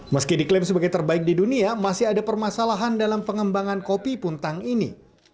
meski diklaim sebagai terbaik di dunia masih ada permasalahan dalam pengembangan kopi puntang ini